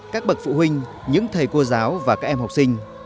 các bậc phụ huynh những thầy cô giáo và các em học sinh